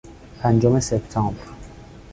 پنجم سپتامبر